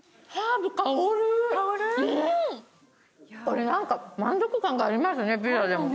これ満足感がありますね。